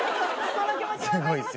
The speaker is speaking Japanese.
その気持ち分かります